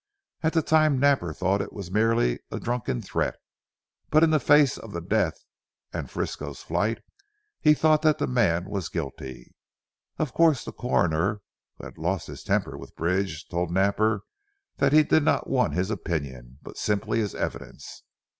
At the time Napper thought it was merely a drunken threat; but in the face of the death and Frisco's flight he thought that the man was guilty. Of course the Coroner, who had lost his temper with Bridge, told Napper that he did not want his opinion, but simply his evidence.